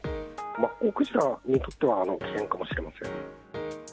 マッコウクジラにとっては危険かもしれません。